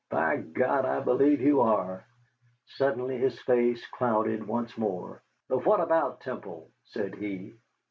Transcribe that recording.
"By God, I believe you are." Suddenly his face clouded once more. "But what about Temple?" said he.